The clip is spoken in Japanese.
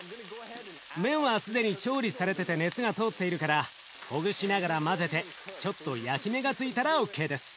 麺は既に調理されてて熱が通っているからほぐしながら混ぜてちょっと焼き目がついたらＯＫです。